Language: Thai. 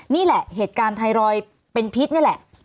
นี่แหละเหตุการณ์ไทรอยด์เป็นพิษนี่แหละ